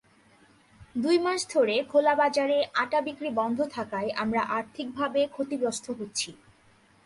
দুই মাস ধরে খোলাবাজারে আটা বিক্রি বন্ধ থাকায় আমরা আর্থিকভাবে ক্ষতিগ্রস্ত হচ্ছি।